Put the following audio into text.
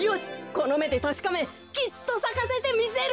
このめでたしかめきっとさかせてみせる！